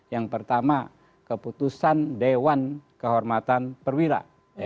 yang pertama keputusan dewan kehormatan perwira